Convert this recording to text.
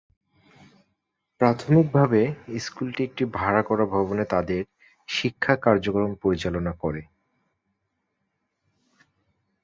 প্রাথমিক ভাবে স্কুলটি একটি ভাড়া করা ভবনে তাদের শিক্ষা কার্যক্রম পরিচালনা করে।